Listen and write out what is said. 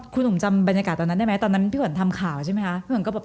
คุณหนุ่มจำบรรยากาศตอนนั้นได้ไหมตอนนั้นพี่ขวัญทำข่าวใช่ไหมคะ